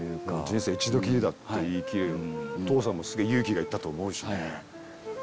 「人生一度きりだ」って言い切れるお父さんもすげぇ勇気がいったと思うしね。